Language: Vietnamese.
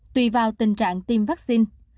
tùy vào tình trạng tiêm vaccine